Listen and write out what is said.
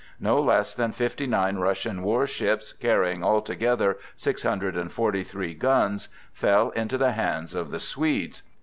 No less than fifty nine Russian warships, carrying altogether six hundred and forty three guns, fell into the hands of the Swedes.